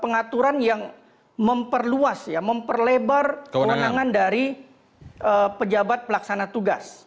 pengaturan yang memperluas ya memperlebar kewenangan dari pejabat pelaksana tugas